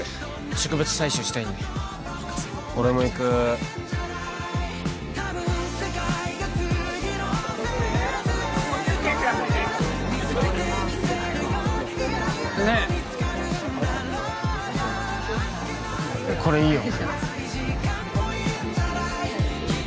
植物採集したいんで俺も行くねえこれいいよ